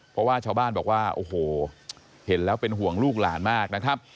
เพราะว่าชาวบ้านบอกว่าโอ้โหเห็นแล้วเป็นห่วงลูกหลานมากนะครับ